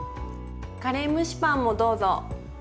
⁉カレー蒸しパンもどうぞ！